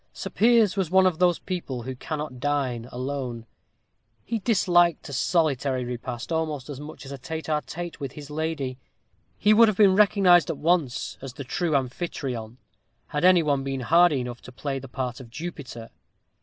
Sir Piers was one of those people who cannot dine alone. He disliked a solitary repast almost as much as a tête à tête with his lady. He would have been recognized at once as the true Amphitryon, had any one been hardy enough to play the part of Jupiter.